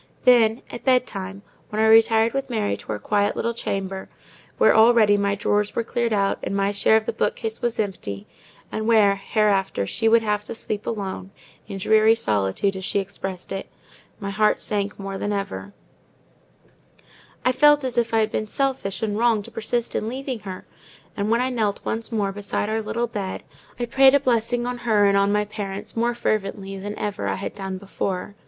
Then at bed time, when I retired with Mary to our quiet little chamber, where already my drawers were cleared out and my share of the bookcase was empty—and where, hereafter, she would have to sleep alone, in dreary solitude, as she expressed it—my heart sank more than ever: I felt as if I had been selfish and wrong to persist in leaving her; and when I knelt once more beside our little bed, I prayed for a blessing on her and on my parents more fervently than ever I had done before.